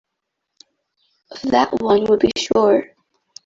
Of that one would be sure.